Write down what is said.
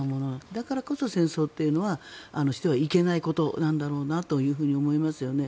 だからこそ戦争というのはしてはいけないことなんだろうと思いますよね。